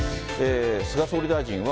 菅総理大臣は、